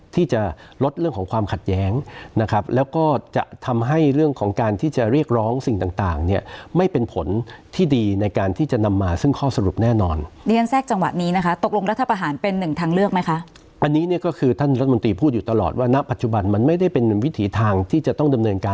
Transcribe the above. ที่จะลดเรื่องของความขัดแย้งนะครับแล้วก็จะทำให้เรื่องของการที่จะเรียกร้องสิ่งต่างต่างเนี่ยไม่เป็นผลที่ดีในการที่จะนำมาซึ่งข้อสรุปแน่นอนเรียนแทรกจังหวะนี้นะคะตกลงรัฐประหารเป็นหนึ่งทางเลือกไหมคะอันนี้เนี่ยก็คือท่านรัฐมนตรีพูดอยู่ตลอดว่าณปัจจุบันมันไม่ได้เป็นวิถีทางที่จะต้องดำเนินการ